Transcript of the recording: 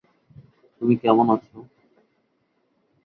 তুমি কেমন আছো?